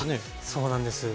そうなんです。